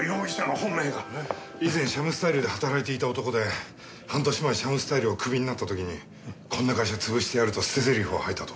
以前シャムスタイルで働いていた男で半年前シャムスタイルをクビになった時に「こんな会社潰してやる！」と捨て台詞を吐いたと。